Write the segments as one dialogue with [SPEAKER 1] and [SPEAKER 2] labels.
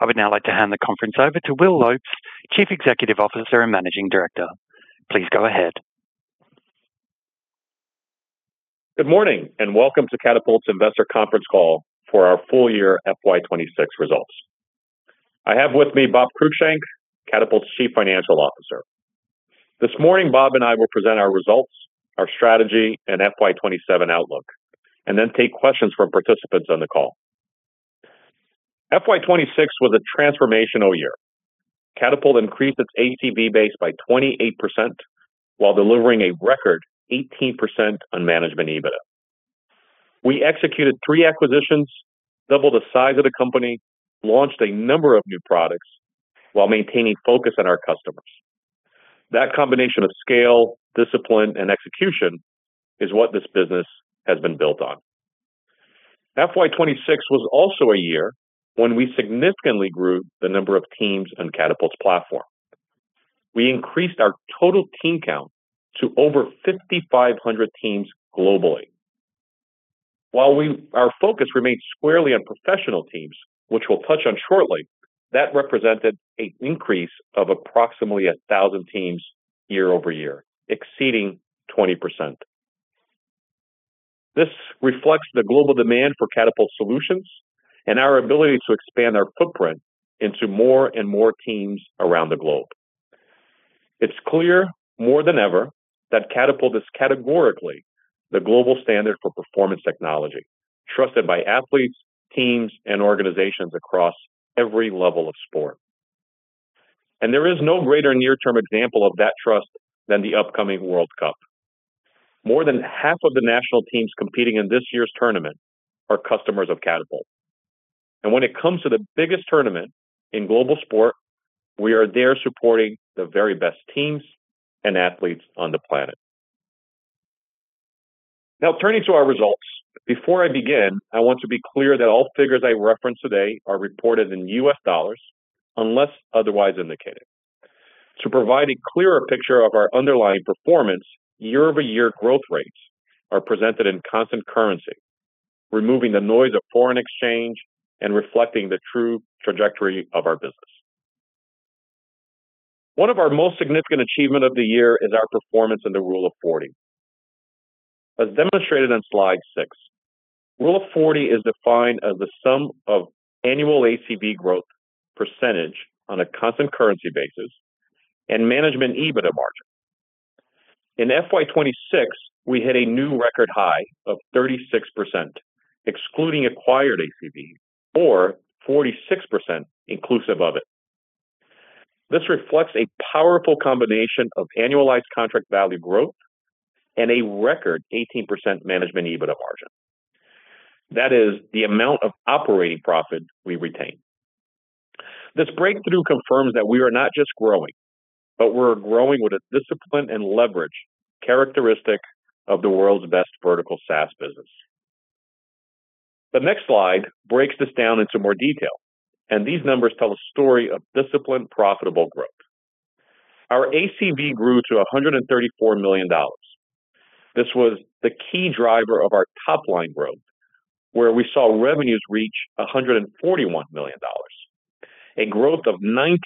[SPEAKER 1] I would now like to hand the conference over to Will Lopes, Chief Executive Officer and Managing Director. Please go ahead.
[SPEAKER 2] Good morning. Welcome to Catapult's investor conference call for our full year FY 2026 results. I have with me Bob Cruickshank, Catapult's Chief Financial Officer. This morning, Bob and I will present our results, our strategy and FY 2027 outlook, then take questions from participants on the call. FY 2026 was a transformational year. Catapult increased its ACV base by 28% while delivering a record 18% on Management EBITDA. We executed three acquisitions, doubled the size of the company, launched a number of new products while maintaining focus on our customers. That combination of scale, discipline, and execution is what this business has been built on. FY 2026 was also a year when we significantly grew the number of teams on Catapult's platform. We increased our total team count to over 5,500 teams globally. While our focus remains squarely on professional teams, which we'll touch on shortly, that represented an increase of approximately 1,000 teams year-over-year, exceeding 20%. This reflects the global demand for Catapult solutions and our ability to expand our footprint into more and more teams around the globe. It's clear more than ever that Catapult is categorically the global standard for performance technology, trusted by athletes, teams, and organizations across every level of sport. There is no greater near-term example of that trust than the upcoming World Cup. More than half of the national teams competing in this year's tournament are customers of Catapult. When it comes to the biggest tournament in global sport, we are there supporting the very best teams and athletes on the planet. Now turning to our results. Before I begin, I want to be clear that all figures I reference today are reported in US dollars, unless otherwise indicated. To provide a clearer picture of our underlying performance, year-over-year growth rates are presented in constant currency, removing the noise of foreign exchange and reflecting the true trajectory of our business. One of our most significant achievement of the year is our performance in the Rule of 40. As demonstrated on slide 6, Rule of 40 is defined as the sum of annual ACV growth percentage on a constant currency basis and Management EBITDA margin. In FY 2026, we hit a new record high of 36%, excluding acquired ACV, or 46% inclusive of it. This reflects a powerful combination of annualized contract value growth and a record 18% Management EBITDA margin. That is the amount of operating profit we retain. This breakthrough confirms that we are not just growing, but we're growing with a discipline and leverage characteristic of the world's best vertical SaaS business. The next slide breaks this down into more detail, and these numbers tell a story of disciplined, profitable growth. Our ACV grew to 134 million dollars. This was the key driver of our top line growth, where we saw revenues reach 141 million dollars, a growth of 19%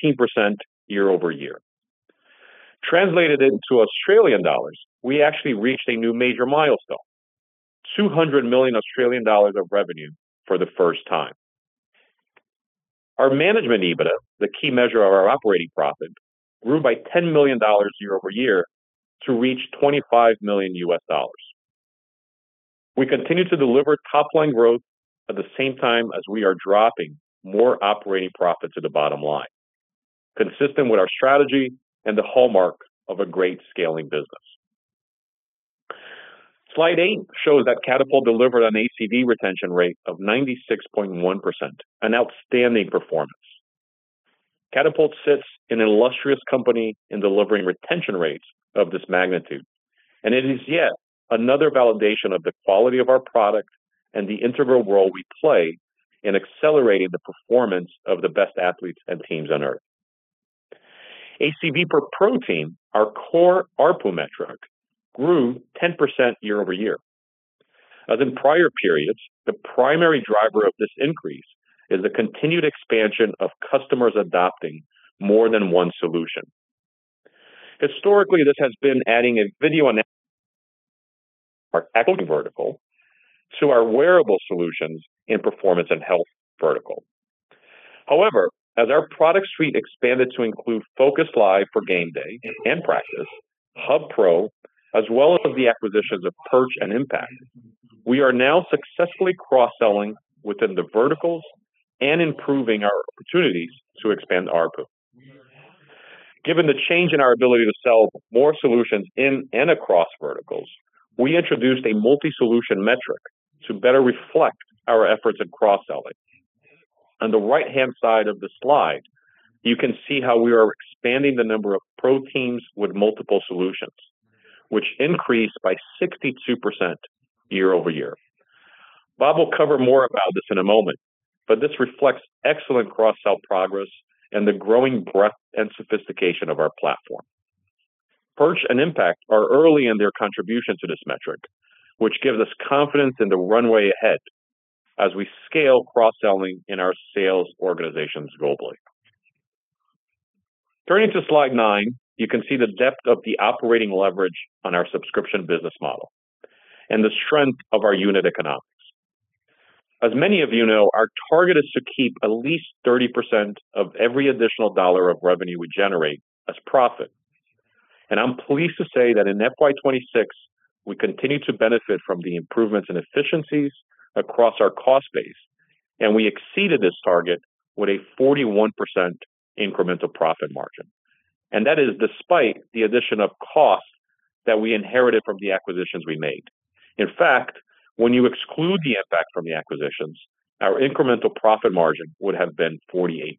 [SPEAKER 2] year-over-year. Translated into Australian dollars, we actually reached a new major milestone, 200 million Australian dollars of revenue for the first time. Our Management EBITDA, the key measure of our operating profit, grew by 10 million dollars year-over-year to reach $25 million. We continue to deliver top line growth at the same time as we are dropping more operating profit to the bottom line, consistent with our strategy and the hallmark of a great scaling business. Slide 8 shows that Catapult delivered an ACV retention rate of 96.1%, an outstanding performance. Catapult sits in an illustrious company in delivering retention rates of this magnitude. It is yet another validation of the quality of our product and the integral role we play in accelerating the performance of the best athletes and teams on Earth. ACV per pro team, our core ARPU metric, grew 10% year-over-year. As in prior periods, the primary driver of this increase is the continued expansion of customers adopting more than one solution. Historically, this has been adding a video analysis, vertical, to our wearable solutions in performance and health vertical. However, as our product suite expanded to include Focus Live for game day and practice, Hub Pro, as well as the acquisitions of Perch and IMPECT, we are now successfully cross-selling within the verticals and improving our opportunities to expand ARPU. Given the change in our ability to sell more solutions in and across verticals, we introduced a multi-solution metric to better reflect our efforts at cross-selling. On the right-hand side of the slide, you can see how we are expanding the number of pro teams with multiple solutions, which increased by 62% year-over-year. Bob will cover more about this in a moment, but this reflects excellent cross-sell progress and the growing breadth and sophistication of our platform. Perch and IMPECT are early in their contribution to this metric, which gives us confidence in the runway ahead as we scale cross-selling in our sales organizations globally. Turning to slide 9, you can see the depth of the operating leverage on our subscription business model and the strength of our unit economics. As many of you know, our target is to keep at least 30% of every additional dollar of revenue we generate as profit. I'm pleased to say that in FY 2026, we continued to benefit from the improvements in efficiencies across our cost base, and we exceeded this target with a 41% incremental profit margin. That is despite the addition of costs that we inherited from the acquisitions we made. In fact, when you exclude the impact from the acquisitions, our incremental profit margin would have been 48%.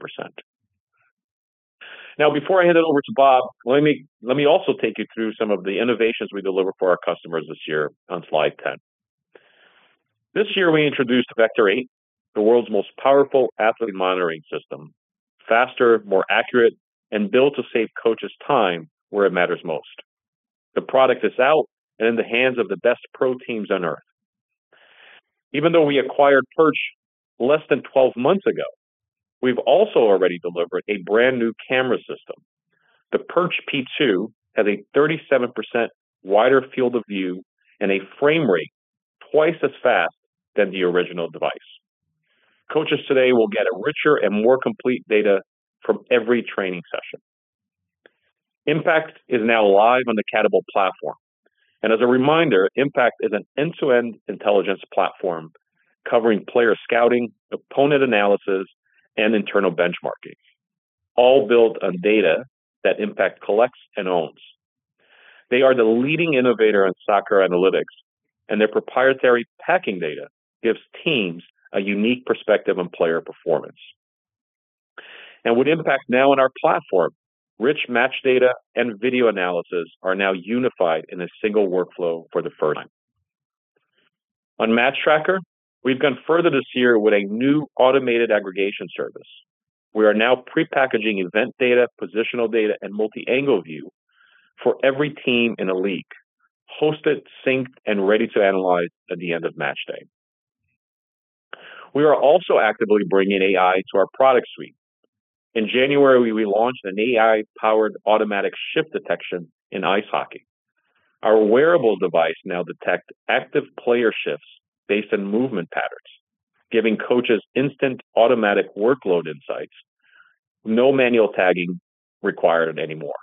[SPEAKER 2] Before I hand it over to Bob, let me also take you through some of the innovations we delivered for our customers this year on slide 10. This year we introduced Vector 8, the world's most powerful athlete monitoring system. Faster, more accurate, and built to save coaches time where it matters most. The product is out and in the hands of the best pro teams on Earth. Even though we acquired Perch less than 12 months ago, we've also already delivered a brand-new camera system. The Perch P2 has a 37% wider field of view and a frame rate twice as fast than the original device. Coaches today will get a richer and more complete data from every training session. IMPECT is now live on the Catapult platform. As a reminder, IMPECT is an end-to-end intelligence platform covering player scouting, opponent analysis, and internal benchmarking, all built on data that IMPECT collects and owns. They are the leading innovator in soccer analytics, and their proprietary Packing data gives teams a unique perspective on player performance. With IMPECT now in our platform, rich match data and video analysis are now unified in a single workflow for the first time. On MatchTracker, we've gone further this year with a new automated aggregation service. We are now pre-packaging event data, positional data, and multi-angle view for every team in a league, hosted, synced, and ready to analyze at the end of match day. We are also actively bringing AI to our product suite. In January, we launched an AI-powered automatic shift detection in ice hockey. Our wearable device now detect active player shifts based on movement patterns, giving coaches instant automatic workload insights, no manual tagging required anymore.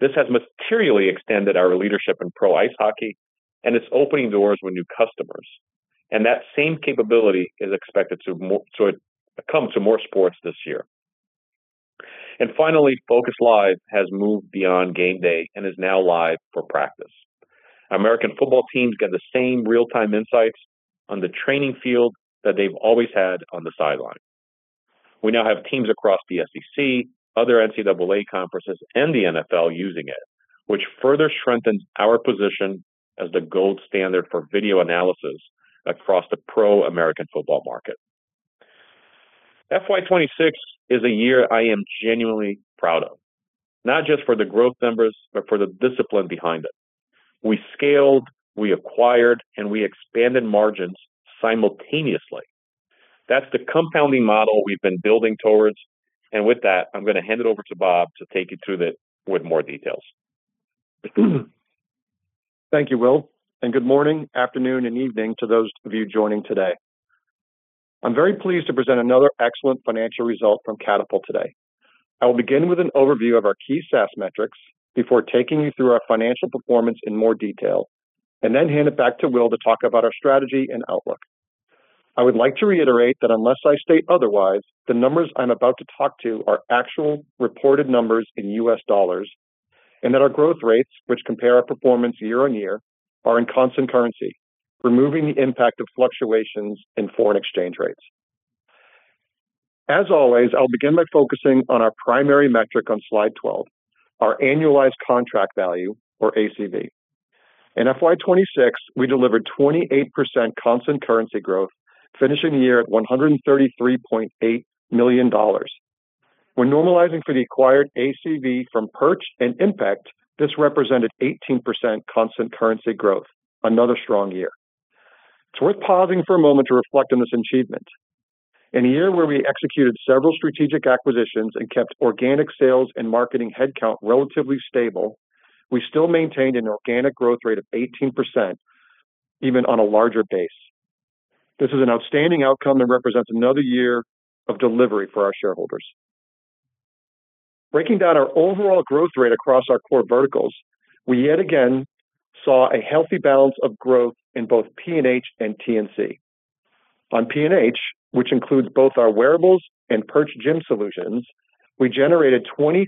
[SPEAKER 2] This has materially extended our leadership in pro ice hockey, and it's opening doors with new customers. That same capability is expected to come to more sports this year. Finally, Focus Live has moved beyond game day and is now live for practice. American football teams get the same real-time insights on the training field that they've always had on the sideline. We now have teams across the SEC, other NCAA conferences, and the NFL using it, which further strengthens our position as the gold standard for video analysis across the pro American football market. FY 2026 is a year I am genuinely proud of, not just for the growth numbers, but for the discipline behind it. We scaled, we acquired, and we expanded margins simultaneously. That's the compounding model we've been building towards. With that, I'm gonna hand it over to Bob to take you through with more details.
[SPEAKER 3] Thank you, Will, and good morning, afternoon, and evening to those of you joining today. I'm very pleased to present another excellent financial result from Catapult today. I will begin with an overview of our key SaaS metrics before taking you through our financial performance in more detail, and then hand it back to Will to talk about our strategy and outlook. I would like to reiterate that unless I state otherwise, the numbers I'm about to talk to are actual reported numbers in US dollars, and that our growth rates, which compare our performance year-over-year, are in constant currency, removing the impact of fluctuations in foreign exchange rates. As always, I'll begin by focusing on our primary metric on slide 12, our annualized contract value or ACV. In FY 2026, we delivered 28% constant currency growth, finishing the year at 133.8 million dollars. When normalizing for the acquired ACV from Perch and IMPECT, this represented 18% constant currency growth, another strong year. It's worth pausing for a moment to reflect on this achievement. In a year where we executed several strategic acquisitions and kept organic sales and marketing headcount relatively stable, we still maintained an organic growth rate of 18% even on a larger base. This is an outstanding outcome that represents another year of delivery for our shareholders. Breaking down our overall growth rate across our core verticals, we yet again saw a healthy balance of growth in both P&H and T&C. On P&H, which includes both our wearables and Perch Gym solutions, we generated 23%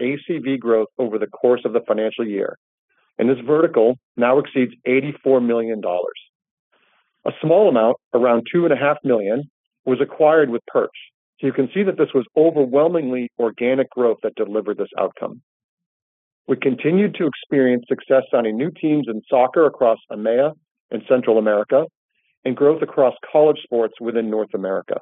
[SPEAKER 3] ACV growth over the course of the financial year. This vertical now exceeds 84 million dollars. A small amount, around 2.5 million, was acquired with Perch. You can see that this was overwhelmingly organic growth that delivered this outcome. We continued to experience success signing new teams in soccer across EMEA and Central America and growth across college sports within North America.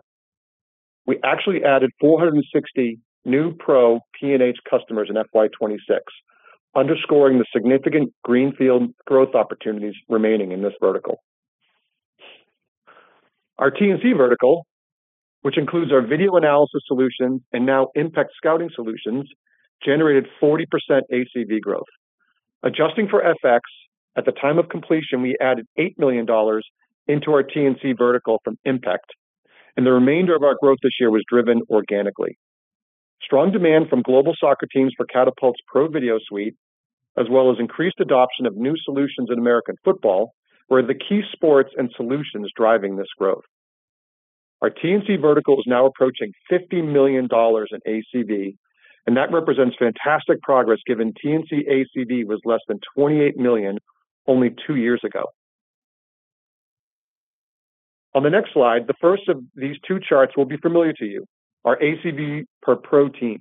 [SPEAKER 3] We actually added 460 new pro P&H customers in FY 2026, underscoring the significant greenfield growth opportunities remaining in this vertical. Our T&C vertical, which includes our video analysis solution and now IMPECT scouting solutions, generated 40% ACV growth. Adjusting for FX, at the time of completion, we added 8 million dollars into our T&C vertical from IMPECT, and the remainder of our growth this year was driven organically. Strong demand from global soccer teams for Catapult's Pro Video Suite, as well as increased adoption of new solutions in American football, were the key sports and solutions driving this growth. Our T&C vertical is now approaching 50 million dollars in ACV, and that represents fantastic progress given T&C ACV was less than $28 million only two years ago. On the next slide, the first of these two charts will be familiar to you, our ACV per pro team.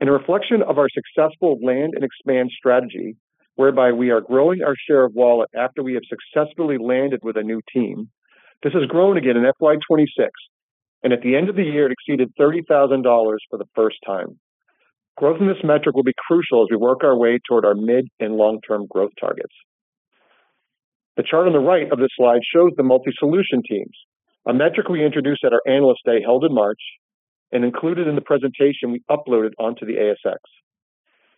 [SPEAKER 3] In a reflection of our successful land and expand strategy, whereby we are growing our share of wallet after we have successfully landed with a new team, this has grown again in FY 2026, and at the end of the year, it exceeded 30,000 dollars for the first time. Growth in this metric will be crucial as we work our way toward our mid and long-term growth targets. The chart on the right of this slide shows the multi-solution teams, a metric we introduced at our Analyst Day held in March and included in the presentation we uploaded onto the ASX.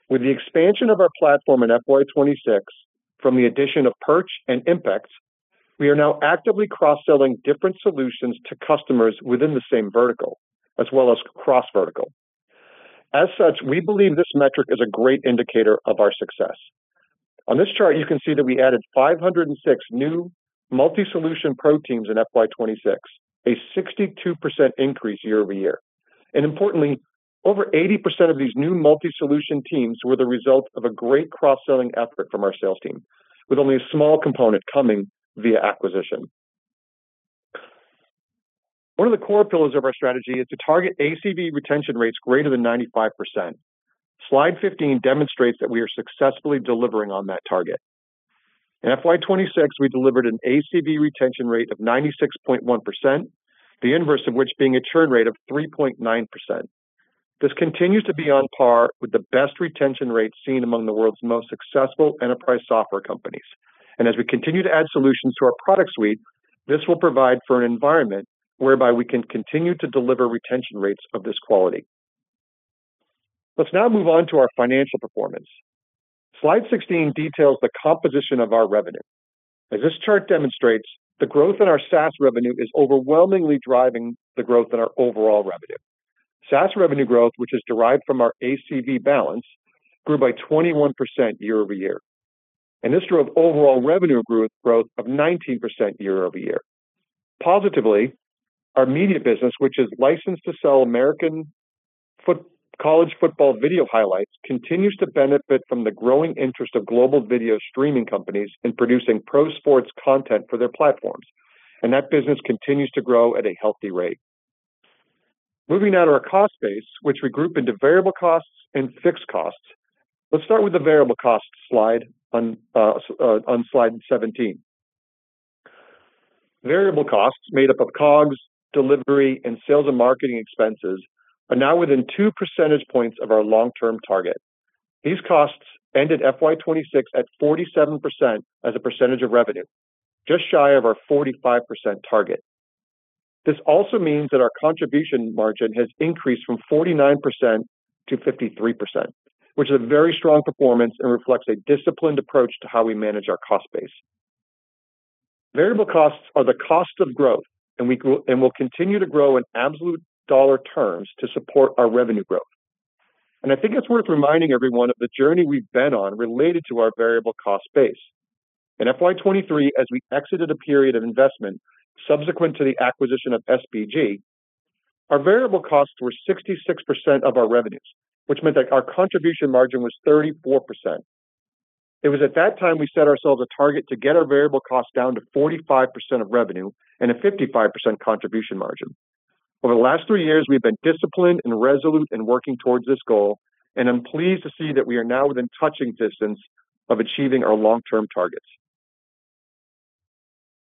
[SPEAKER 3] With the expansion of our platform in FY 2026 from the addition of Perch and IMPECT, we are now actively cross-selling different solutions to customers within the same vertical as well as cross-vertical. We believe this metric is a great indicator of our success. On this chart, you can see that we added 506 new multi-solution pro teams in FY 2026, a 62% increase year-over-year. Importantly, over 80% of these new multi-solution teams were the result of a great cross-selling effort from our sales team, with only a small component coming via acquisition. One of the core pillars of our strategy is to target ACV retention rates greater than 95%. Slide 15 demonstrates that we are successfully delivering on that target. In FY 2026, we delivered an ACV retention rate of 96.1%, the inverse of which being a churn rate of 3.9%. This continues to be on par with the best retention rates seen among the world's most successful enterprise software companies. As we continue to add solutions to our product suite, this will provide for an environment whereby we can continue to deliver retention rates of this quality. Let's now move on to our financial performance. Slide 16 details the composition of our revenue. As this chart demonstrates, the growth in our SaaS revenue is overwhelmingly driving the growth in our overall revenue. SaaS revenue growth, which is derived from our ACV balance, grew by 21% year-over-year, and this drove overall revenue growth of 19% year-over-year. Positively, our media business, which is licensed to sell American college football video highlights, continues to benefit from the growing interest of global video streaming companies in producing pro sports content for their platforms, and that business continues to grow at a healthy rate. Moving now to our cost base, which we group into variable costs and fixed costs. Let's start with the variable cost slide on slide 17. Variable costs made up of COGS, delivery, and sales and marketing expenses are now within 2 percentage points of our long-term target. These costs ended FY 2026 at 47% as a percentage of revenue, just shy of our 45% target. This also means that our contribution margin has increased from 49% to 53%, which is a very strong performance and reflects a disciplined approach to how we manage our cost base. Variable costs are the cost of growth and will continue to grow in absolute dollar terms to support our revenue growth. I think it's worth reminding everyone of the journey we've been on related to our variable cost base. In FY 2023, as we exited a period of investment subsequent to the acquisition of SBG, our variable costs were 66% of our revenues, which meant that our contribution margin was 34%. It was at that time we set ourselves a target to get our variable costs down to 45% of revenue and a 55% contribution margin. Over the last three years, we've been disciplined and resolute in working towards this goal, and I'm pleased to see that we are now within touching distance of achieving our long-term targets.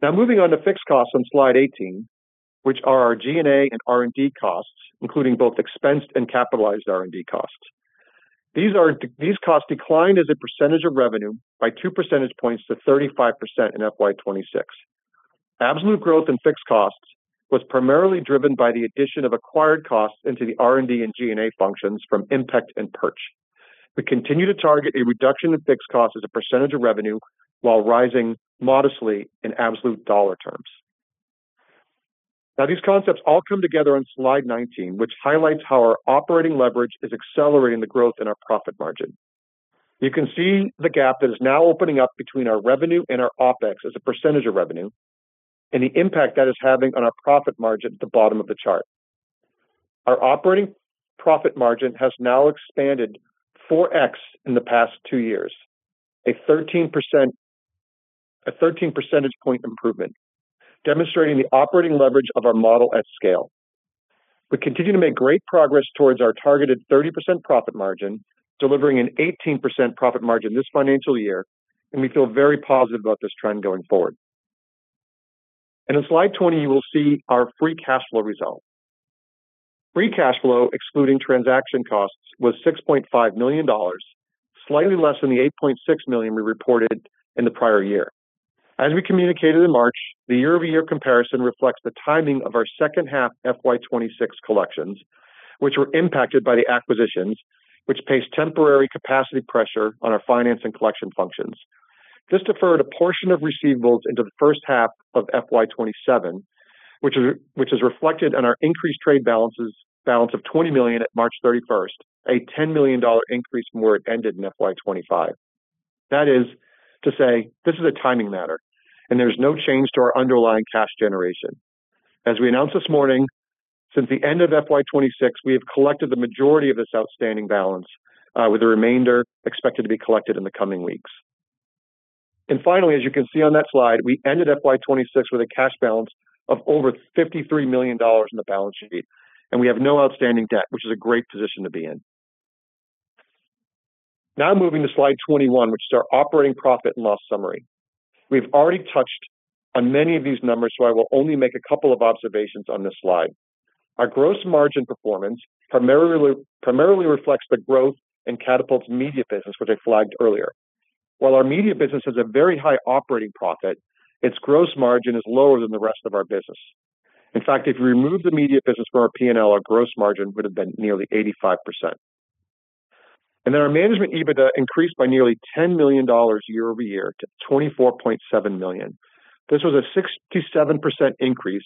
[SPEAKER 3] Moving on to fixed costs on slide 18, which are our G&A and R&D costs, including both expensed and capitalized R&D costs. These costs declined as a percentage of revenue by 2 percentage points to 35% in FY 2026. Absolute growth in fixed costs was primarily driven by the addition of acquired costs into the R&D and G&A functions from IMPECT and Perch. We continue to target a reduction in fixed costs as a percentage of revenue while rising modestly in absolute dollar terms. These concepts all come together on slide 19, which highlights how our operating leverage is accelerating the growth in our profit margin. You can see the gap that is now opening up between our revenue and our OpEx as a percentage of revenue and the impact that is having on our profit margin at the bottom of the chart. Our operating profit margin has now expanded 4x in the past two years, a 13 percentage point improvement, demonstrating the operating leverage of our model at scale. We continue to make great progress towards our targeted 30% profit margin, delivering an 18% profit margin this financial year. We feel very positive about this trend going forward. In slide 20, you will see our free cash flow result. Free cash flow, excluding transaction costs, was 6.5 million dollars, slightly less than the 8.6 million we reported in the prior year. As we communicated in March, the year-over-year comparison reflects the timing of our second half FY 2026 collections, which were impacted by the acquisitions, which placed temporary capacity pressure on our finance and collection functions. This deferred a portion of receivables into the first half of FY 2027, which is reflected in our increased trade balances of $20 million at March 31st, a 10 million dollar increase from where it ended in FY 2025. That is to say, this is a timing matter, and there's no change to our underlying cash generation. As we announced this morning, since the end of FY 2026, we have collected the majority of this outstanding balance, with the remainder expected to be collected in the coming weeks. Finally, as you can see on that slide, we ended FY 2026 with a cash balance of over 53 million dollars in the balance sheet, and we have no outstanding debt, which is a great position to be in. Moving to slide 21, which is our operating profit and loss summary. We've already touched on many of these numbers, so I will only make a couple of observations on this slide. Our gross margin performance primarily reflects the growth in Catapult's media business, which I flagged earlier. While our media business has a very high operating profit, its gross margin is lower than the rest of our business. In fact, if you remove the media business from our P&L, our gross margin would have been nearly 85%. Our Management EBITDA increased by nearly 10 million dollars year-over-year to $24.7 million. This was a 67% increase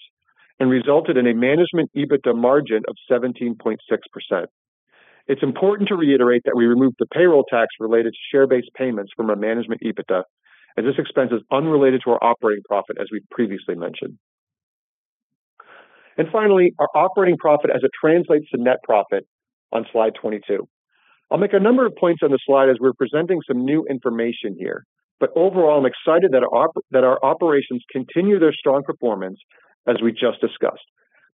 [SPEAKER 3] and resulted in a Management EBITDA margin of 17.6%. It's important to reiterate that we removed the payroll tax-related share-based payments from our Management EBITDA, as this expense is unrelated to our operating profit, as we previously mentioned. Finally, our operating profit as it translates to net profit on slide 22. I'll make a number of points on this slide as we're presenting some new information here. Overall, I'm excited that our operations continue their strong performance, as we just discussed.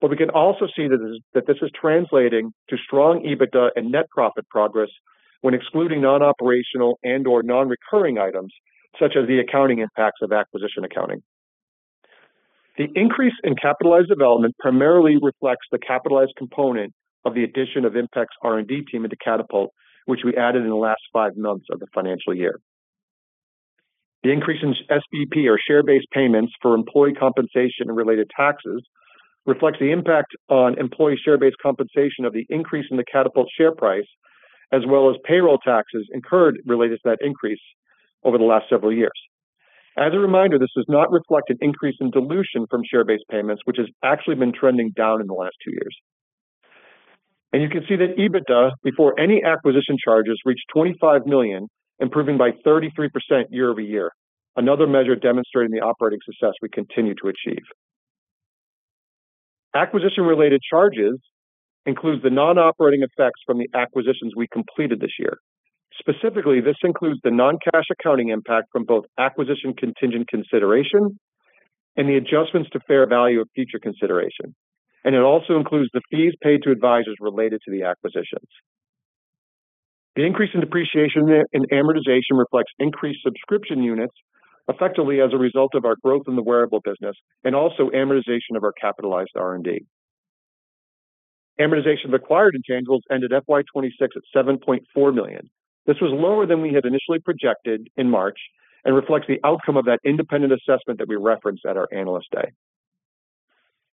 [SPEAKER 3] We can also see that this is translating to strong EBITDA and net profit progress when excluding non-operational and/or non-recurring items, such as the accounting impacts of acquisition accounting. The increase in capitalized development primarily reflects the capitalized component of the addition of IMPECT R&D team into Catapult, which we added in the last five months of the financial year. The increase in SBP or share-based payments for employee compensation and related taxes reflects the impact on employee share-based compensation of the increase in the Catapult share price, as well as payroll taxes incurred related to that increase over the last several years. As a reminder, this does not reflect an increase in dilution from share-based payments, which has actually been trending down in the last two years. You can see that EBITDA, before any acquisition charges, reached 25 million, improving by 33% year-over-year. Another measure demonstrating the operating success we continue to achieve. Acquisition-related charges includes the non-operating effects from the acquisitions we completed this year. Specifically, this includes the non-cash accounting impact from both acquisition contingent consideration and the adjustments to fair value of future consideration. It also includes the fees paid to advisors related to the acquisitions. The increase in depreciation and amortization reflects increased subscription units effectively as a result of our growth in the wearable business and also amortization of our capitalized R&D. Amortization of acquired intangibles ended FY 2026 at 7.4 million. This was lower than we had initially projected in March and reflects the outcome of that independent assessment that we referenced at our Analyst Day.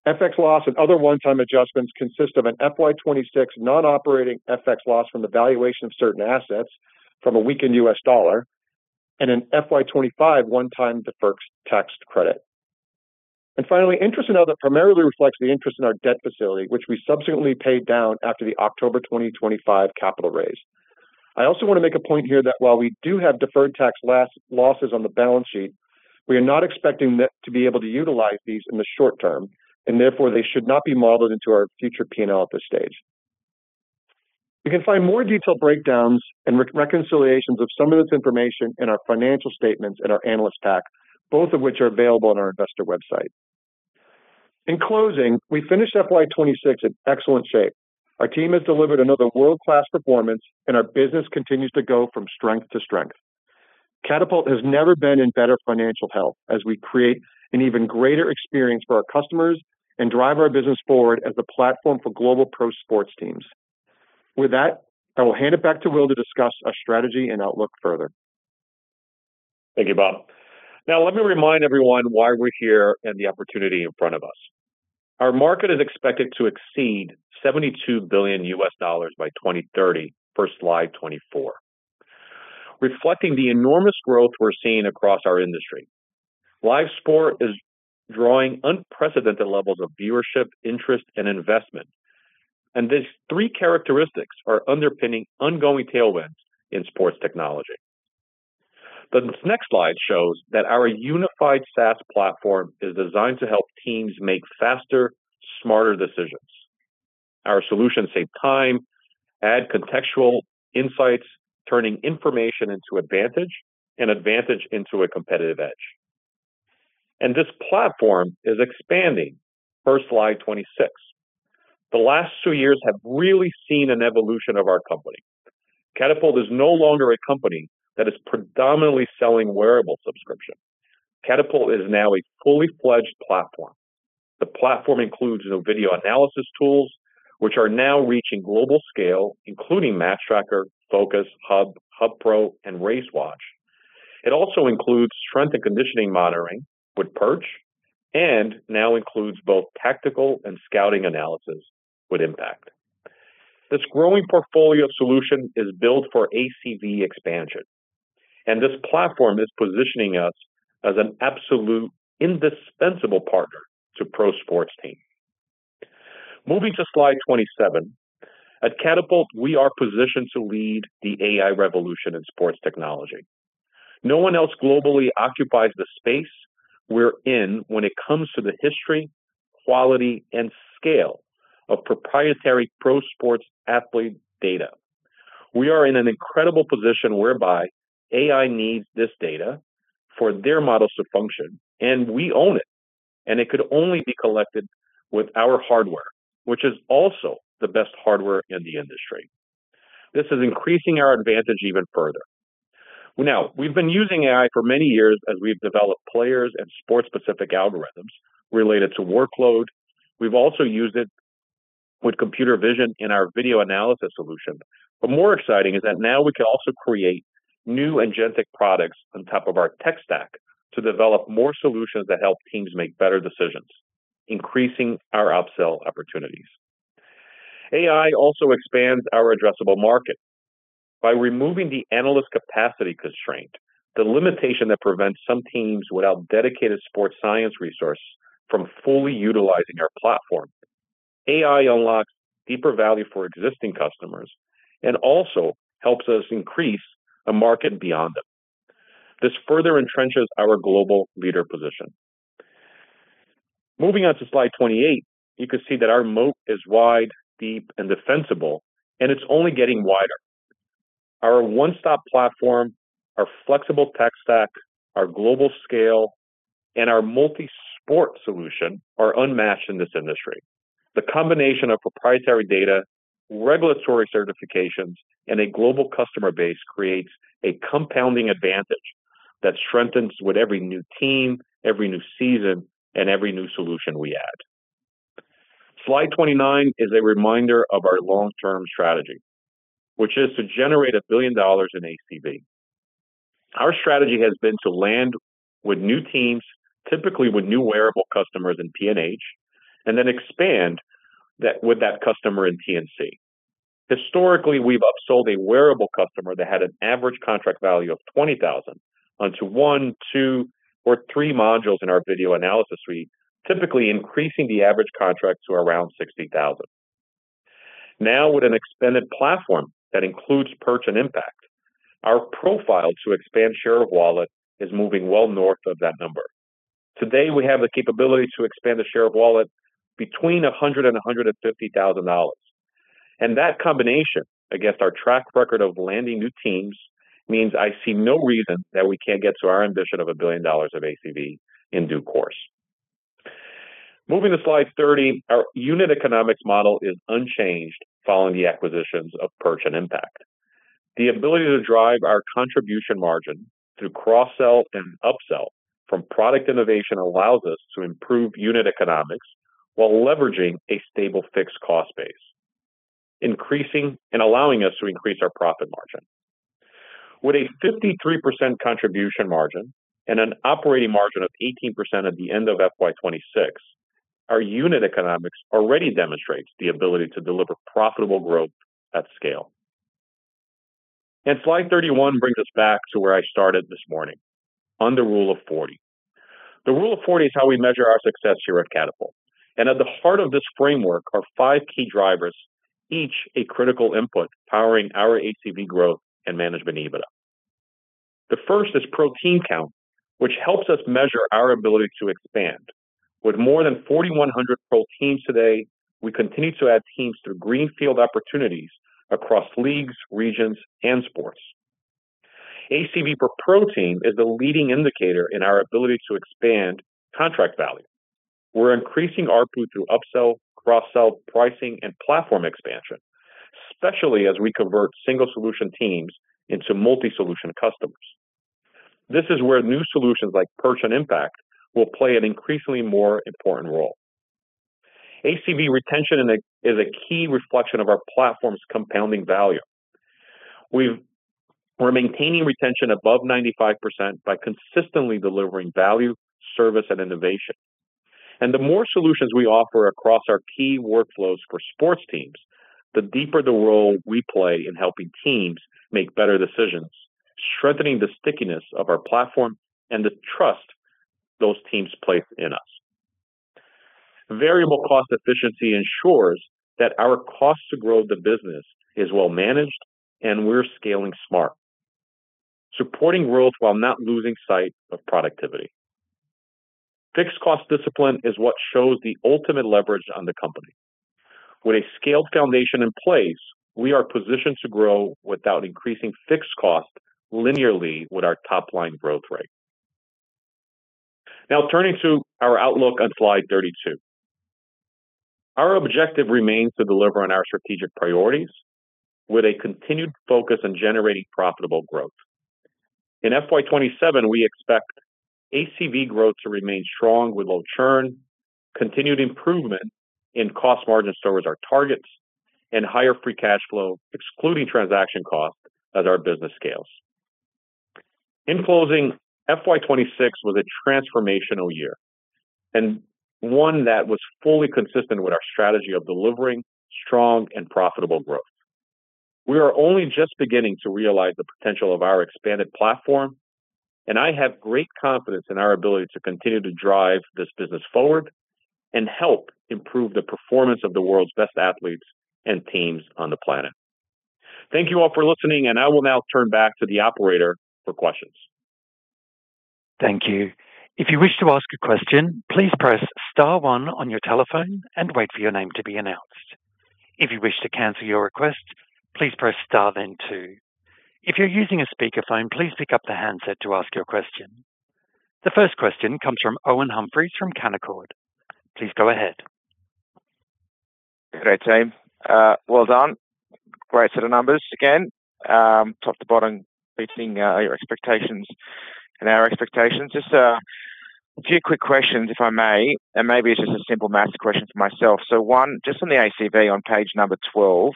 [SPEAKER 3] FX loss and other one-time adjustments consist of an FY 2026 non-operating FX loss from the valuation of certain assets from a weakened U.S. dollar and an FY 2025 one-time deferred tax credit. Finally, interest and other primarily reflects the interest in our debt facility, which we subsequently paid down after the October 2025 capital raise. I also want to make a point here that while we do have deferred tax losses on the balance sheet, we are not expecting to be able to utilize these in the short term, and therefore they should not be modeled into our future P&L at this stage. You can find more detailed breakdowns and reconciliations of some of this information in our financial statements and our analyst pack, both of which are available on our investor website. In closing, we finished FY 2026 in excellent shape. Our team has delivered another world-class performance, and our business continues to go from strength to strength. Catapult has never been in better financial health as we create an even greater experience for our customers and drive our business forward as the platform for global pro sports teams. With that, I will hand it back to Will to discuss our strategy and outlook further.
[SPEAKER 2] Thank you, Bob. Let me remind everyone why we're here and the opportunity in front of us. Our market is expected to exceed AUD 72 billion by 2030 per slide 24, reflecting the enormous growth we're seeing across our industry. Live sport is drawing unprecedented levels of viewership, interest, and investment, these three characteristics are underpinning ongoing tailwinds in sports technology. The next slide shows that our unified SaaS platform is designed to help teams make faster, smarter decisions. Our solutions save time, add contextual insights, turning information into advantage, and advantage into a competitive edge. This platform is expanding, first slide 26. The last two years have really seen an evolution of our company. Catapult is no longer a company that is predominantly selling wearable subscription. Catapult is now a fully fledged platform. The platform includes the video analysis tools, which are now reaching global scale, including MatchTracker, Focus, Hub Pro, and RaceWatch. It also includes strength and conditioning monitoring with Perch, and now includes both tactical and scouting analysis with IMPECT. This growing portfolio solution is built for ACV expansion, and this platform is positioning us as an absolute indispensable partner to pro sports teams. Moving to slide 27. At Catapult, we are positioned to lead the AI revolution in sports technology. No one else globally occupies the space we're in when it comes to the history, quality, and scale of proprietary pro sports athlete data. We are in an incredible position whereby AI needs this data for their models to function, and we own it, and it could only be collected with our hardware, which is also the best hardware in the industry. This is increasing our advantage even further. We've been using AI for many years as we've developed players and sports-specific algorithms related to workload. We've also used it with computer vision in our video analysis solution. More exciting is that now we can also create new agentic products on top of our tech stack to develop more solutions that help teams make better decisions, increasing our upsell opportunities. AI also expands our addressable market. By removing the analyst capacity constraint, the limitation that prevents some teams without dedicated sports science resource from fully utilizing our platform. AI unlocks deeper value for existing customers and also helps us increase a market beyond them. This further entrenches our global leader position. Moving on to slide 28, you can see that our moat is wide, deep, and defensible, and it's only getting wider. Our one-stop platform, our flexible tech stack, our global scale, and our multi-sport solution are unmatched in this industry. The combination of proprietary data, regulatory certifications, and a global customer base creates a compounding advantage that strengthens with every new team, every new season, and every new solution we add. Slide 29 is a reminder of our long-term strategy, which is to generate 1 billion dollars in ACV. Our strategy has been to land with new teams, typically with new wearable customers in P&H, and then expand with that customer in [P&C]. Historically, we've upsold a wearable customer that had an average contract value of 20,000 onto 1, 2, or 3 modules in our video analysis suite, typically increasing the average contract to around 60,000. Now, with an expanded platform that includes Perch and IMPECT, our profile to expand share of wallet is moving well north of that number. Today, we have the capability to expand the share of wallet between 100,000-150,000 dollars. That combination against our track record of landing new teams means I see no reason that we can't get to our ambition of 1 billion dollars of ACV in due course. Moving to slide 30, our unit economics model is unchanged following the acquisitions of Perch and IMPECT. The ability to drive our contribution margin through cross-sell and upsell from product innovation allows us to improve unit economics while leveraging a stable fixed cost base, increasing and allowing us to increase our profit margin. With a 53% contribution margin and an operating margin of 18% at the end of FY 2026, our unit economics already demonstrates the ability to deliver profitable growth at scale. Slide 31 brings us back to where I started this morning, on the Rule of 40. The Rule of 40 is how we measure our success here at Catapult, and at the heart of this framework are 5 key drivers, each a critical input powering our ACV growth and Management EBITDA. The first is pro team count, which helps us measure our ability to expand. With more than 4,100 pro teams today, we continue to add teams through greenfield opportunities across leagues, regions, and sports. ACV per pro team is the leading indicator in our ability to expand contract value. We're increasing ARPU through upsell, cross-sell, pricing, and platform expansion, especially as we convert single-solution teams into multi-solution customers. This is where new solutions like Perch and IMPECT will play an increasingly more important role. ACV retention is a key reflection of our platform's compounding value. We're maintaining retention above 95% by consistently delivering value, service, and innovation. The more solutions we offer across our key workflows for sports teams, the deeper the role we play in helping teams make better decisions, strengthening the stickiness of our platform and the trust those teams place in us. Variable cost efficiency ensures that our cost to grow the business is well managed and we're scaling smart, supporting growth while not losing sight of productivity. Fixed cost discipline is what shows the ultimate leverage on the company. With a scaled foundation in place, we are positioned to grow without increasing fixed cost linearly with our top-line growth rate. Turning to our outlook on slide 32. Our objective remains to deliver on our strategic priorities with a continued focus on generating profitable growth. In FY 2027, we expect ACV growth to remain strong with low churn, continued improvement in cost margin towards our targets, and higher free cash flow, excluding transaction costs as our business scales. In closing, FY 2026 was a transformational year and one that was fully consistent with our strategy of delivering strong and profitable growth. We are only just beginning to realize the potential of our expanded platform, and I have great confidence in our ability to continue to drive this business forward and help improve the performance of the world's best athletes and teams on the planet. Thank you all for listening, and I will now turn back to the operator for questions.
[SPEAKER 1] The first question comes from Owen Humphries from Canaccord. Please go ahead.
[SPEAKER 4] Great, Team. Well done. Great set of numbers again. Top to bottom beating your expectations and our expectations. Just a few quick questions, if I may, and maybe it's just a simple math question for myself. One, just on the ACV on page 12,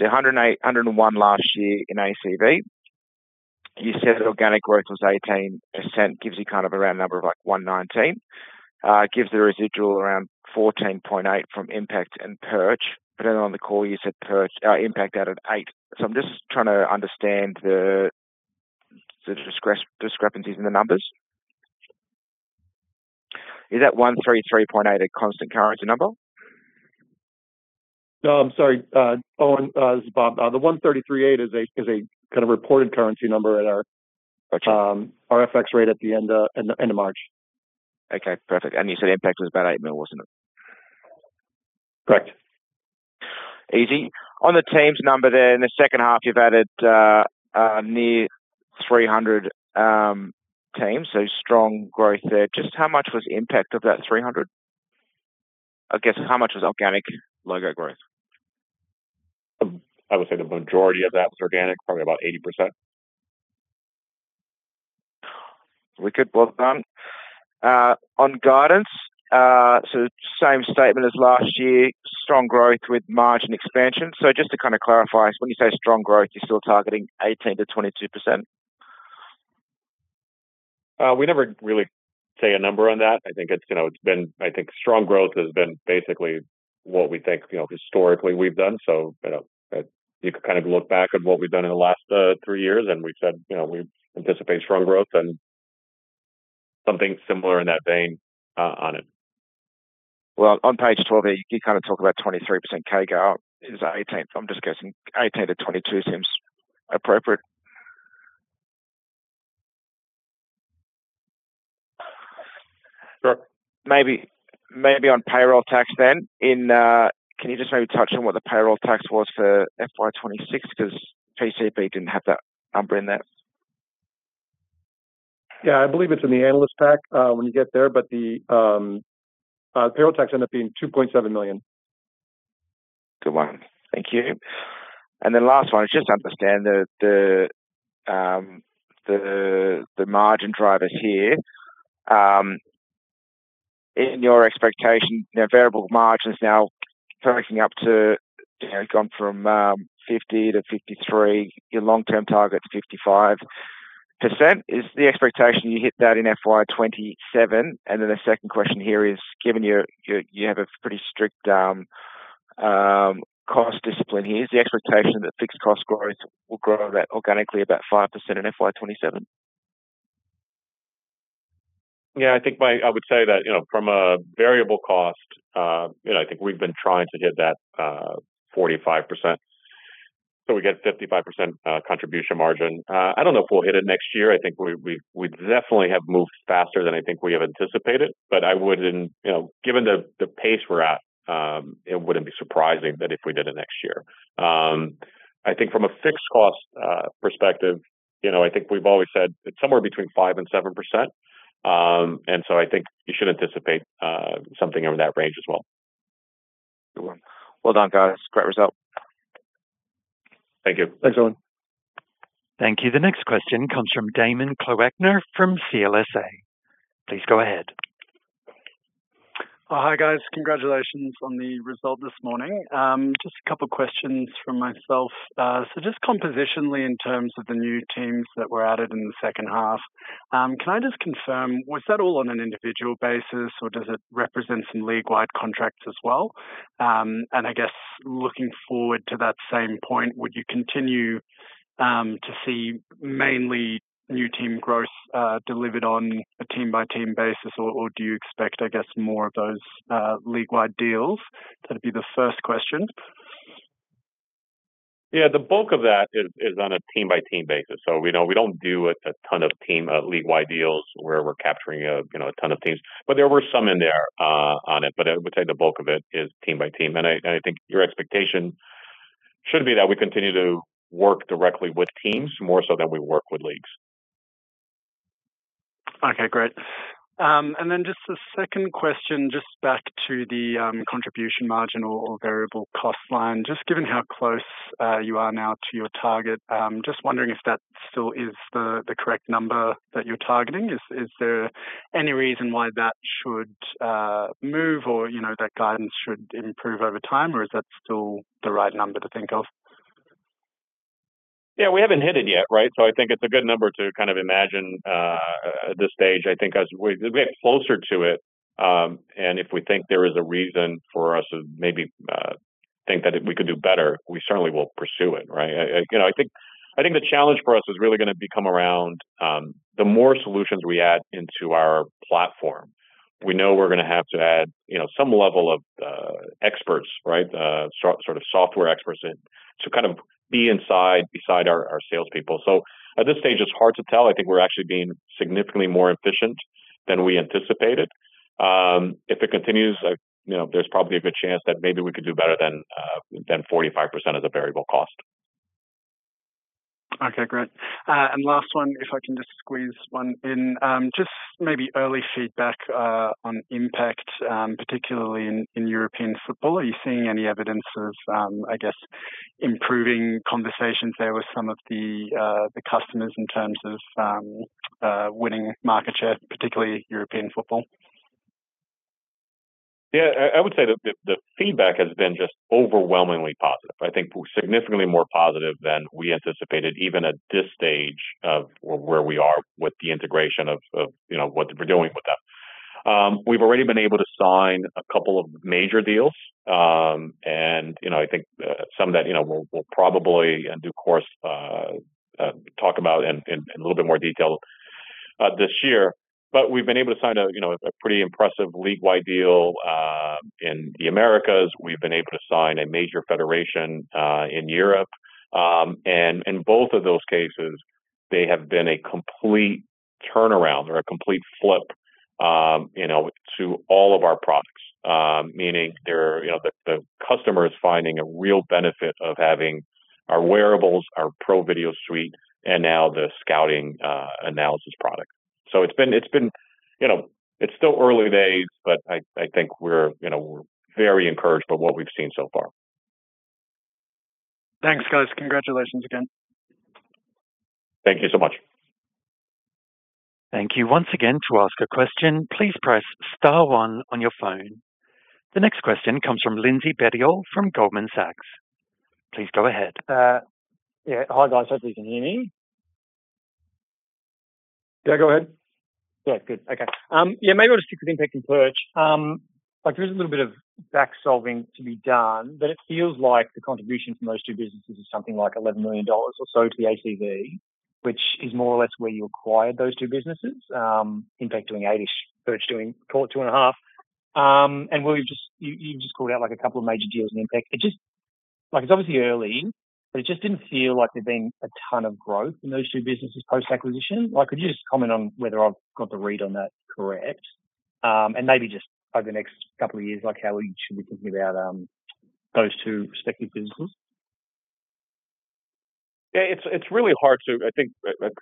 [SPEAKER 4] 101 last year in ACV. You said organic growth was 18%, gives you kind of a round number of like 119. It gives the residual around 14.8 from IMPECT and Perch. On the call you said IMPECT out at 8. I'm just trying to understand the discrepancies in the numbers. Is that 133.8 a constant currency number?
[SPEAKER 3] No, I'm sorry, Owen, this is Bob. The 133.8 is a kind of reported currency number.
[SPEAKER 4] Got you
[SPEAKER 3] our FX rate at the end of March.
[SPEAKER 4] Okay, perfect. You said IMPECT was about [8] million, wasn't it?
[SPEAKER 3] Correct.
[SPEAKER 4] Easy. On the teams number there in the second half, you've added near 300 teams. Strong growth there. How much was impact of that 300? How much was organic logo growth?
[SPEAKER 3] I would say the majority of that was organic, probably about 80%.
[SPEAKER 4] Wicked. Well done. On guidance, same statement as last year, strong growth with margin expansion. Just to kind of clarify, when you say strong growth, you're still targeting 18%-22%?
[SPEAKER 3] We never really say a number on that. I think it's, you know, I think strong growth has been basically what we think, you know, historically we've done. You know, you can kind of look back at what we've done in the last, three years, and we've said, you know, we anticipate strong growth and something similar in that vein on it.
[SPEAKER 4] Well, on page 12, you kind of talk about 23% CAGR. Is that 18? I'm just guessing 18-22 seems appropriate.
[SPEAKER 3] Sure.
[SPEAKER 4] Maybe on payroll tax, can you just maybe touch on what the payroll tax was for FY 2026? 'Cause PCP didn't have that number in there.
[SPEAKER 3] Yeah, I believe it's in the analyst pack, when you get there, but the payroll tax ended up being $2.7 million.
[SPEAKER 4] Good one. Thank you. Last one, just understand the margin drivers here. In your expectation, you know, variable margins now tracking up to, you know, gone from 50 to 53. Your long-term target's 55%. Is the expectation you hit that in FY 2027? The second question here is, given you have a pretty strict cost discipline here. Is the expectation that fixed cost growth will grow that organically about 5% in FY 2027?
[SPEAKER 3] Yeah, I would say that, you know, from a variable cost, you know, I think we've been trying to hit that 45%. We get 55% contribution margin. I don't know if we'll hit it next year. I think we definitely have moved faster than I think we have anticipated. I wouldn't, you know, given the pace we're at, it wouldn't be surprising that if we did it next year. I think from a fixed cost perspective, you know, I think we've always said it's somewhere between 5% and 7%. I think you should anticipate something over that range as well.
[SPEAKER 4] Good one. Well done, guys. Great result.
[SPEAKER 3] Thank you.
[SPEAKER 1] Thanks, Owen. Thank you. The next question comes from Damen Kloeckner from CLSA. Please go ahead.
[SPEAKER 5] Hi, guys. Congratulations on the result this morning. Just a couple questions from myself. Just compositionally in terms of the new teams that were added in the second half, can I just confirm, was that all on an individual basis, or does it represent some league-wide contracts as well? I guess looking forward to that same point, would you continue to see mainly new team growth delivered on a team-by-team basis or do you expect, I guess, more of those league-wide deals? That'd be the first question.
[SPEAKER 2] Yeah, the bulk of that is on a team-by-team basis. We know we don't do a ton of team, league-wide deals where we're capturing a, you know, a ton of teams. There were some in there on it. I would say the bulk of it is team by team. I think your expectation should be that we continue to work directly with teams more so than we work with leagues.
[SPEAKER 5] Okay, great. Just a second question, just back to the contribution margin or variable cost line. Just given how close you are now to your target, just wondering if that still is the correct number that you're targeting. Is there any reason why that should move or, you know, that guidance should improve over time, or is that still the right number to think of?
[SPEAKER 2] Yeah, we haven't hit it yet, right? I think it's a good number to kind of imagine at this stage. I think as we get closer to it, and if we think there is a reason for us to maybe think that if we could do better, we certainly will pursue it, right? I, you know, I think the challenge for us is really gonna become around the more solutions we add into our platform. We know we're gonna have to add, you know, some level of experts, right, sort of software experts in to kind of be inside beside our salespeople. At this stage, it's hard to tell. I think we're actually being significantly more efficient than we anticipated. If it continues, like, you know, there's probably a good chance that maybe we could do better than 45% of the variable cost.
[SPEAKER 5] Okay, great. Last one, if I can just squeeze one in. Just maybe early feedback on IMPECT, particularly in European football. Are you seeing any evidence of, I guess, improving conversations there with some of the customers in terms of winning market share, particularly European football?
[SPEAKER 2] Yeah. I would say the feedback has been just overwhelmingly positive. I think significantly more positive than we anticipated, even at this stage of where we are with the integration of, you know, what we're doing with them. We've already been able to sign a couple of major deals. You know, I think some that, you know, we'll probably in due course, talk about in a little bit more detail this year. We've been able to sign you know, a pretty impressive league-wide deal in the Americas. We've been able to sign a major federation in Europe. In both of those cases, they have been a complete turnaround or a complete flip, you know, to all of our products. Meaning they're, you know, the customer is finding a real benefit of having our wearables, our Pro Video Suite, and now the scouting analysis product. It's been, you know, it's still early days, but I think we're, you know, we're very encouraged by what we've seen so far.
[SPEAKER 5] Thanks, guys. Congratulations again.
[SPEAKER 2] Thank you so much.
[SPEAKER 1] Thank you once again. To ask a question, please press star one on your phone. The next question comes from Lindsay Bettiol from Goldman Sachs. Please go ahead.
[SPEAKER 6] Yeah. Hi, guys. Hopefully you can hear me.
[SPEAKER 2] Yeah, go ahead.
[SPEAKER 6] Yeah. Good. Okay. Yeah, maybe I'll just stick with IMPECT and Perch. Like there is a little bit of back-solving to be done, but it feels like the contribution from those two businesses is something like 11 million dollars or so to the ACV, which is more or less where you acquired those two businesses. IMPECT doing AUD 8, Perch doing 2, AUD 2.5. Where you've just called out like a couple of major deals in IMPECT. Like it's obviously early, but it just didn't feel like there's been a ton of growth in those two businesses post-acquisition. Like, could you just comment on whether I've got the read on that correct? Maybe just over the next couple of years, like how we should be thinking about those two respective businesses.
[SPEAKER 2] Yeah. It's really hard to I think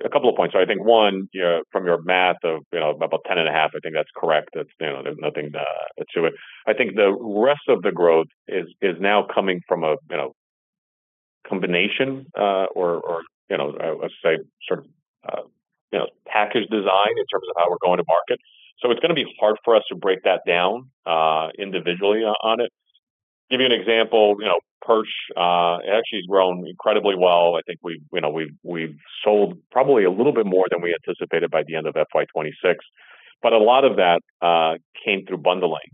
[SPEAKER 2] a couple of points. I think, one, you know, from your math of, you know, about 10.5, I think that's correct. That's, you know, there's nothing to it. I think the rest of the growth is now coming from a, you know, combination, or, you know, let's say sort of, you know, package design in terms of how we're going to market. It's gonna be hard for us to break that down, individually on it. Give you an example, you know, Perch actually has grown incredibly well. I think we've, you know, we've sold probably a little bit more than we anticipated by the end of FY 2026. A lot of that came through bundling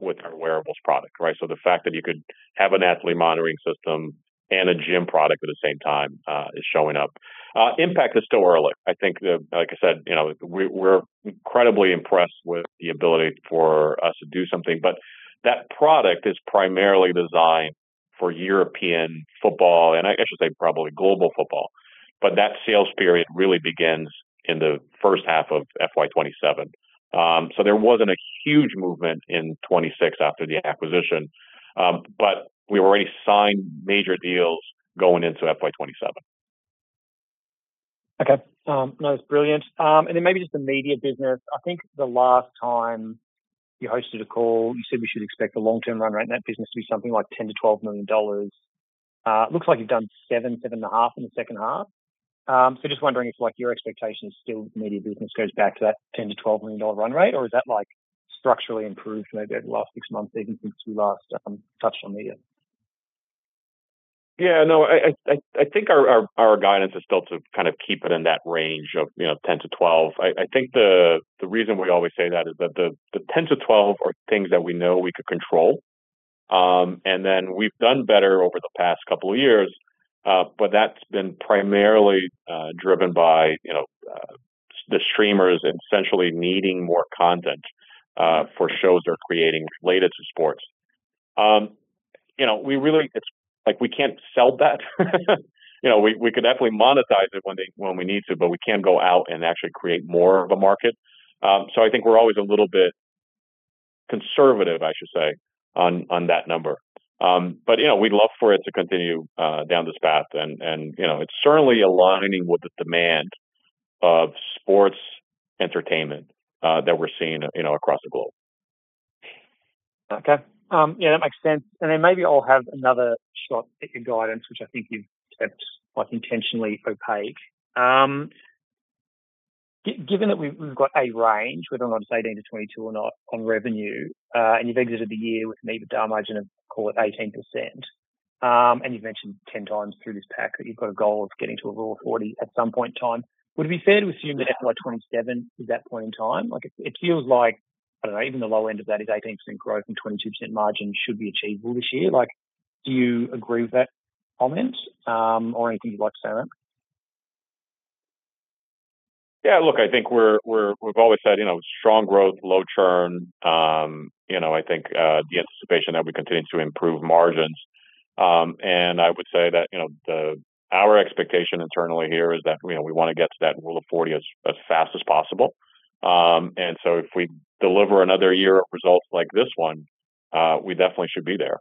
[SPEAKER 2] with our wearables product, right? The fact that you could have an athlete monitoring system and a gym product at the same time is showing up. IMPECT is still early. I think like I said, you know, we're incredibly impressed with the ability for us to do something, but that product is primarily designed for European football, and I should say probably global football. That sales period really begins in the first half of FY 2027. There wasn't a huge movement in 2026 after the acquisition, but we've already signed major deals going into FY 2027.
[SPEAKER 6] Okay. No, it's brilliant. Maybe just the media business. I think the last time you hosted a call, you said we should expect the long-term run rate in that business to be something like 10 million-12 million dollars. It looks like you've done 8, AUD 8.5 in the second half. Just wondering if, like, your expectation is still media business goes back to that 10 million-12 million dollar run rate, or is that like structurally improved maybe over the last six months, even since we last touched on media?
[SPEAKER 2] Yeah. No, I think our guidance is still to kind of keep it in that range of, you know, 10 to 12. I think the reason we always say that is that the 10 to 12 are things that we know we could control. We've done better over the past couple of years, but that's been primarily driven by The streamers essentially needing more content for shows they're creating related to sports. You know, it's like we can't sell that. You know, we can definitely monetize it when we need to, but we can't go out and actually create more of a market. I think we're always a little bit conservative, I should say, on that number. You know, we'd love for it to continue down this path and, you know, it's certainly aligning with the demand of sports entertainment that we're seeing, you know, across the globe.
[SPEAKER 6] Okay. Yeah, that makes sense. Then maybe I'll have another shot at your guidance, which I think you've kept, like, intentionally opaque. Given that we've got a range, whether or not it's 18%-22% or not on revenue, and you've exited the year with an EBITDA margin of, call it 18%, and you've mentioned 10 times through this pack that you've got a goal of getting to a Rule of 40 at some point in time. Would it be fair to assume that, like, 2027 is that point in time? It feels like, I don't know, even the low end of that is 18% growth and 22% margin should be achievable this year. Do you agree with that comment, or anything you'd like to say on it?
[SPEAKER 2] Yeah, look, I think we've always said, you know, strong growth, low churn. You know, I think the anticipation that we continue to improve margins. I would say that, you know, our expectation internally here is that, you know, we wanna get to that Rule of 40 as fast as possible. If we deliver another year of results like this one, we definitely should be there.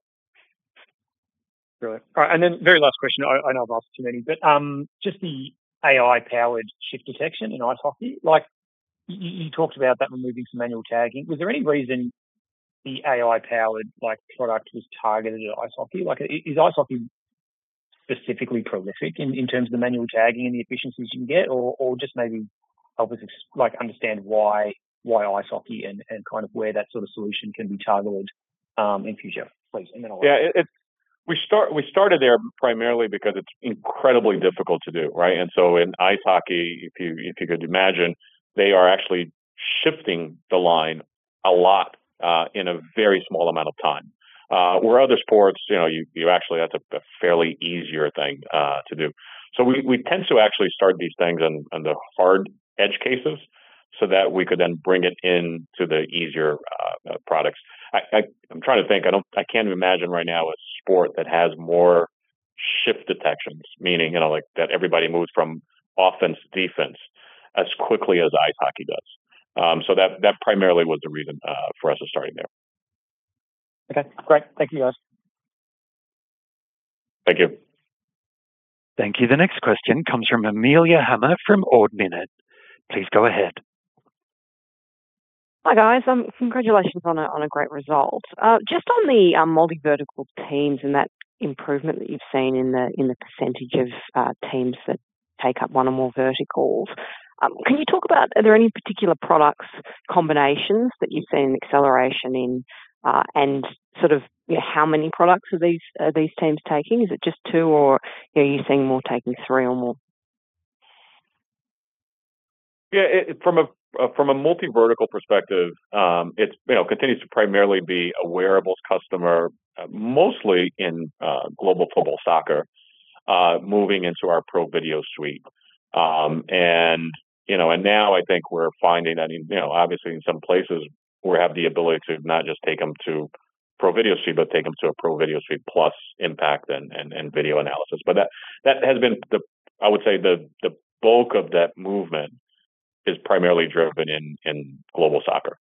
[SPEAKER 6] Brilliant. All right, very last question. I know I've asked too many, but just the AI-powered shift detection in ice hockey. You talked about that removing some manual tagging. Was there any reason the AI-powered product was targeted at ice hockey? Is ice hockey specifically prolific in terms of the manual tagging and the efficiencies you can get? Or just maybe help us understand why ice hockey and kind of where that sort of solution can be targeted in future, please.
[SPEAKER 2] Yeah. We started there primarily because it's incredibly difficult to do, right? In ice hockey, if you, if you could imagine, they are actually shifting the line a lot in a very small amount of time. Where other sports, you know, you actually that's a fairly easier thing to do. We tend to actually start these things on the hard edge cases so that we could then bring it in to the easier products. I'm trying to think. I can't even imagine right now a sport that has more shift detections, meaning, you know, like that everybody moves from offense, defense as quickly as ice hockey does. That primarily was the reason for us starting there.
[SPEAKER 6] Okay, great. Thank you, guys.
[SPEAKER 2] Thank you.
[SPEAKER 1] Thank you. The next question comes from Amelia Hamer from Ord Minnett. Please go ahead.
[SPEAKER 7] Hi, guys. Congratulations on a great result. Just on the multi-vertical teams and that improvement that you've seen in the percentage of teams that take up 1 or more verticals. Can you talk about are there any particular products combinations that you've seen acceleration in? And sort of, you know, how many products are these teams taking? Is it just 2 or are you seeing more taking 3 or more?
[SPEAKER 2] Yeah. It from a multi-vertical perspective, it's, you know, continues to primarily be a wearables customer, mostly in global football soccer, moving into our Pro Video Suite. you know, and now I think we're finding, I mean, you know, obviously in some places we have the ability to not just take them to Pro Video Suite, but take them to a Pro Video Suite plus IMPECT and video analysis. That has been the I would say the bulk of that movement is primarily driven in global soccer.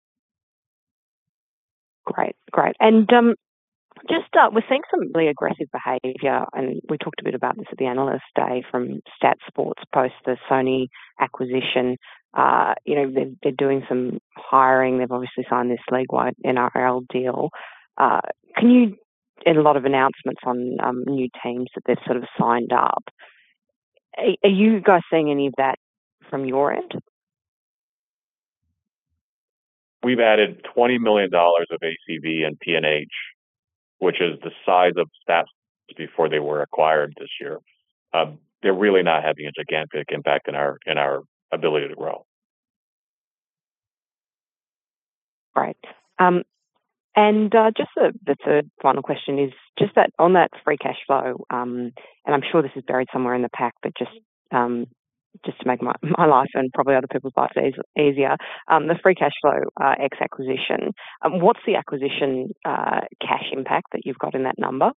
[SPEAKER 7] Great. Great. Just, we're seeing some really aggressive behavior, and we talked a bit about this at the Analyst Day from STATSports post the Sony acquisition. You know, they're doing some hiring. They've obviously signed this league-wide NRL deal. A lot of announcements on new teams that they've sort of signed up. Are you guys seeing any of that from your end?
[SPEAKER 2] We've added $20 million of ACV and P&H, which is the size of Stats before they were acquired this year. They're really not having a gigantic impact in our, in our ability to grow.
[SPEAKER 7] Great. Just the third and final question is just that on that free cash flow, and I'm sure this is buried somewhere in the pack, but just to make my life and probably other people's lives easier. The free cash flow ex acquisition, what's the acquisition cash impact that you've got in that number?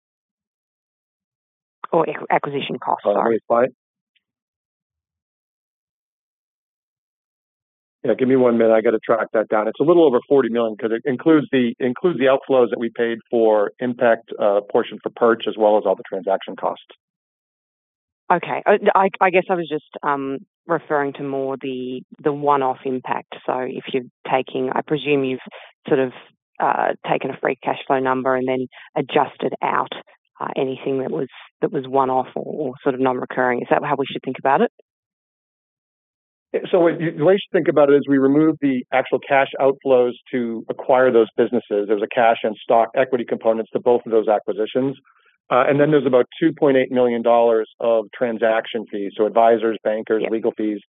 [SPEAKER 7] Or acquisition cost, sorry.
[SPEAKER 3] Sorry, let me find it. Yeah, give me one minute. I gotta track that down. It's a little over 40 million 'cause it includes the outflows that we paid for IMPECT portion for purchase as well as all the transaction costs.
[SPEAKER 7] Okay. I guess I was just referring to more the one-off impact. I presume you've sort of taken a free cash flow number and then adjusted out anything that was one-off or sort of non-recurring. Is that how we should think about it?
[SPEAKER 3] The way you should think about it is we remove the actual cash outflows to acquire those businesses. There's a cash and stock equity components to both of those acquisitions. There's about 2.8 million dollars of transaction fees. Advisors, bankers.
[SPEAKER 7] Yeah.
[SPEAKER 3] Legal fees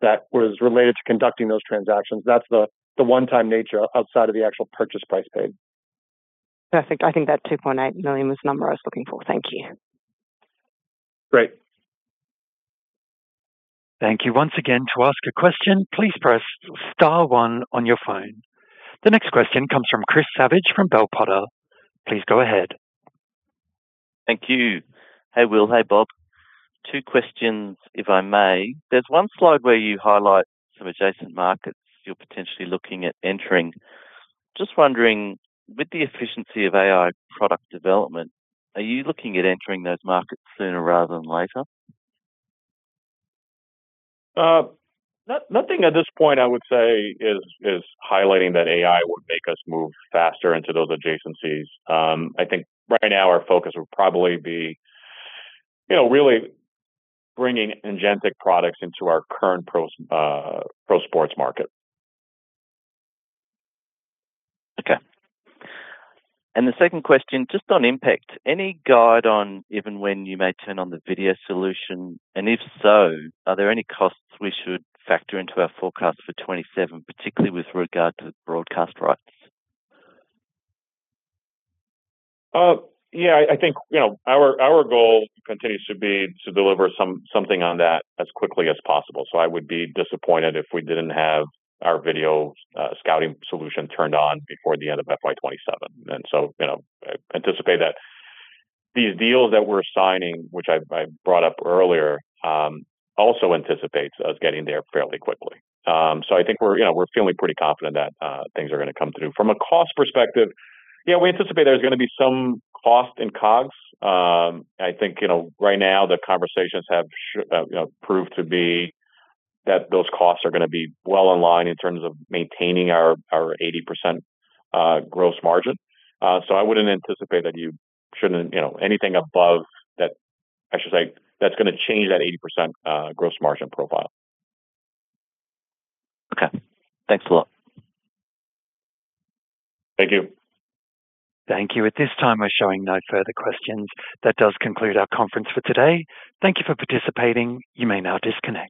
[SPEAKER 3] that was related to conducting those transactions. That's the one-time nature outside of the actual purchase price paid.
[SPEAKER 7] Perfect. I think that 2.8 million was the number I was looking for. Thank you.
[SPEAKER 3] Great.
[SPEAKER 1] Thank you once again. The next question comes from Chris Savage from Bell Potter. Please go ahead.
[SPEAKER 8] Thank you. Hey, Will. Hey, Bob. Two questions, if I may. There's one slide where you highlight some adjacent markets you're potentially looking at entering. Just wondering, with the efficiency of AI product development, are you looking at entering those markets sooner rather than later?
[SPEAKER 2] Nothing at this point, I would say, is highlighting that AI would make us move faster into those adjacencies. I think right now our focus would probably be, you know, really bringing agentic products into our current pro sports market.
[SPEAKER 8] Okay. The second question, just on IMPECT, any guide on even when you may turn on the video solution, and if so, are there any costs we should factor into our forecast for 2027, particularly with regard to broadcast rights?
[SPEAKER 2] Yeah, I think, you know, our goal continues to be to deliver something on that as quickly as possible. I would be disappointed if we didn't have our video scouting solution turned on before the end of FY 2027. You know, I anticipate that these deals that we're signing, which I brought up earlier, also anticipates us getting there fairly quickly. I think we're, you know, we're feeling pretty confident that things are gonna come through. From a cost perspective, yeah, we anticipate there's gonna be some cost in COGS. I think, you know, right now the conversations have proved to be that those costs are gonna be well in line in terms of maintaining our 80% gross margin. I wouldn't anticipate that you shouldn't, you know, anything above that, I should say, that's gonna change that 80% gross margin profile.
[SPEAKER 8] Okay. Thanks a lot.
[SPEAKER 2] Thank you.
[SPEAKER 1] Thank you. At this time, we are showing no further questions. That does conclude our conference for today. Thank you for participating. You may now disconnect.